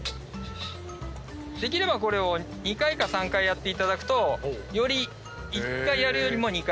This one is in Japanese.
できればこれを２回か３回やっていただくとより１回やるよりも２回。